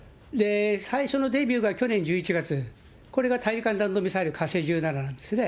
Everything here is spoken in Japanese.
最初のデビューが去年１１月、これが大陸間弾道ミサイル火星１７ですね。